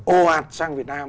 ồ hạt sang việt nam